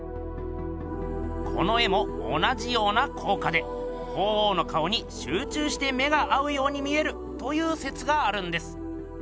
この絵も同じような効果で鳳凰の顔にしゅう中して目が合うように見えるという説があるんです。